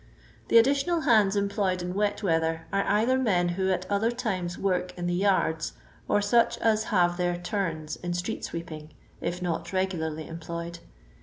The additional hands employed in wet weather are either men who at other times work in the yards, or such as have their " turns " in street sweeping, if not regularly employed.